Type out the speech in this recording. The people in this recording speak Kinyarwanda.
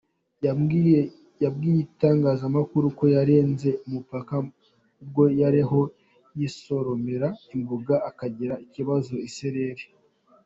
Yabwiye itangazamakuru ko yarenze umupaka ubwo yariho yisoromera imboga akagira ikibazo isereri.